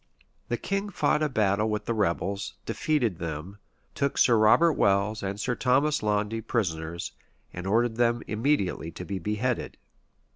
[*] The king fought a battle with the rebels, defeated them, took Sir Robert Welles and Sir Thomas Launde prisoners, and ordered them immediately to be beheaded.